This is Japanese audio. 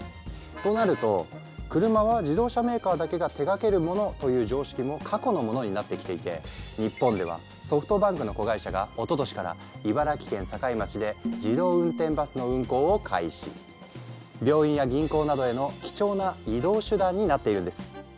となると車は自動車メーカーだけが手がけるものという常識も過去のものになってきていて日本ではソフトバンクの子会社がおととしから茨城県境町で病院や銀行などへの貴重な移動手段になっているんです。